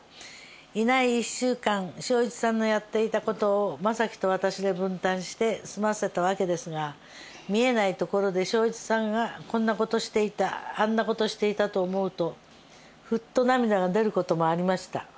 いない一週間正一さんのやっていた事を正喜と私で分担して済ませた訳ですが見えない所で正一さんがこんな事していたあんな事していたと思うとふっと涙が出ることもありました。